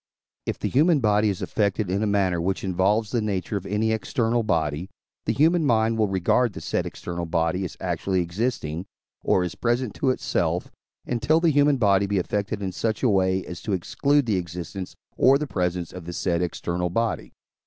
If the human body is affected in a manner which involves the nature of any external body, the human mind will regard the said external body as actually existing, or as present to itself, until the human body be affected in such a way, as to exclude the existence or the presence of the said external body.